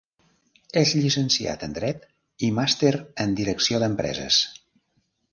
És llicenciat en dret i màster en direcció d'empreses.